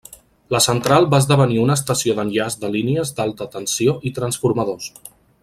La central va esdevenir una estació d'enllaç de línies d'alta tensió i transformadors.